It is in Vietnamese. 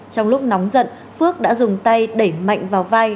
trong lúc nóng giận phước đã dùng tay đẩy mạnh vào vai